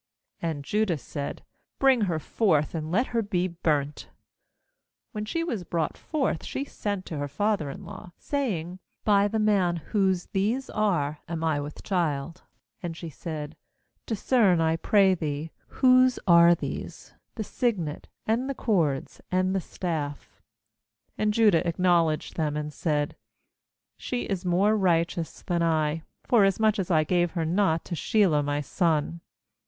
And Judah said: ' Bring her forth, and let her be burnt.' 25When she was brought forth, she sent to her father in law, saying. 'By the man, whose these are, am I with child' ; and she said: 'Discern, I pray thee, whose are these, 'the signet, and the cords, and the staff/ 26And Judah ac knowledged them, and said: 'She is more righteous than I; forasmuch as I gave her not to Shelah my son.'